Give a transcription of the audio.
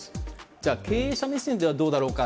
じゃあ、経営者目線ではどうだろうか。